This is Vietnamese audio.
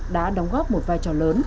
đã đóng góp một vai trò lớn